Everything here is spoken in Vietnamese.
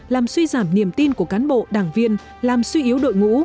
làm suy giảm niềm tin của cán bộ đảng viên làm suy yếu đội ngũ